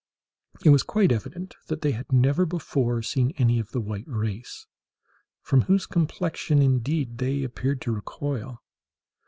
It was quite evident that they had never before seen any of the white race—from whose complexion, indeed, they appeared to recoil.